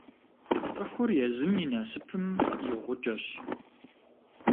Цӏыхур езым и насыпым и «гъукӏэщ».